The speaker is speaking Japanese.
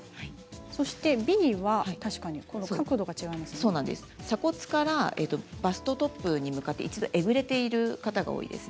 Ｂは鎖骨からバストトップに向かってえぐれている方が多いです。